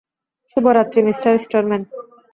শুভরাত্রি, Mr storeman.